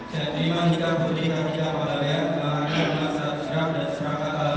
saya terima nikah nikah di kaki apalagi yang terakhir